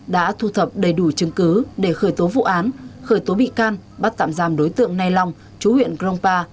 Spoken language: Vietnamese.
đã thu thập đầy đủ chứng cứ để khởi tố vụ án khởi tố bị can bắt tạm giam đối tượng nay long chú huyện krongpa